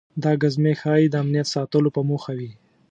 دا ګزمې ښایي د امنیت ساتلو په موخه وي.